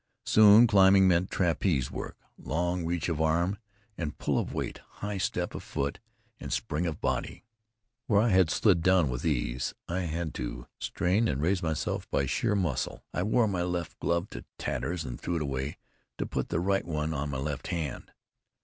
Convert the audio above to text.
Soon climbing meant trapeze work long reach of arm, and pull of weight, high step of foot, and spring of body. Where I had slid down with ease, I had to strain and raise myself by sheer muscle. I wore my left glove to tatters and threw it away to put the right one on my left hand.